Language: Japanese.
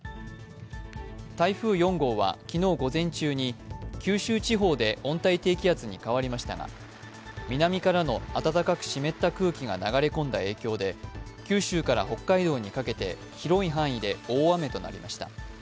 台風４号は昨日午前中に九州地方で温帯低気圧に変わりましたが南からの温かく湿った空気が流れ込んだ影響で九州から北海道にかけて広い範囲で大雨となりました。